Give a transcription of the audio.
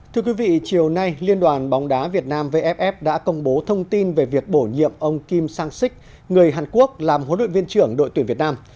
thưa quý vị chiều nay liên đoàn bóng đá việt nam vff đã công bố thông tin về việc bổ nhiệm ông kim sang sik người hàn quốc làm huấn luyện viên trưởng đội tuyển việt nam